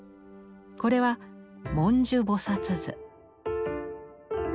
これは「文殊菩図」。